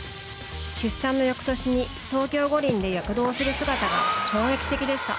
出産の翌年に東京五輪で躍動する姿が衝撃的でした。